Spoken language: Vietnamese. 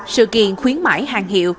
sự kiện khuyến mãi hàng hiệu